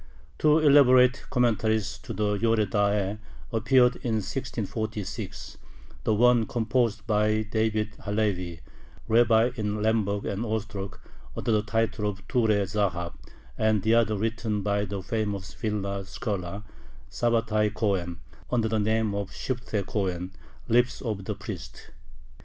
Two elaborate commentaries to the Yore De`a appeared in 1646, the one composed by David Halevi, rabbi in Lemberg and Ostrog, under the title Ture Zahab, and the other written by the famous Vilna scholar Sabbatai Kohen, under the name Sifthe Kohen ("Lips of the Priest").